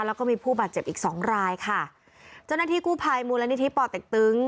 แล้วก็มีผู้บาดเจ็บอีกสองรายค่ะเจ้าหน้าที่กู้ภัยมูลนิธิป่อเต็กตึง